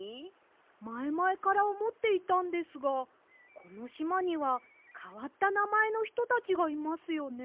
まえまえからおもっていたんですがこのしまにはかわったなまえのひとたちがいますよね。